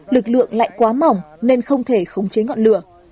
lực lượng lại quá mỏng nên không thể khống chế ngọn lửa